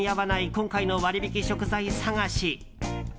今回の割引食材探し。